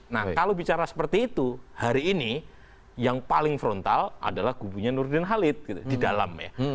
nah kalau bicara seperti itu hari ini yang paling frontal adalah kubunya nurdin halid gitu di dalam ya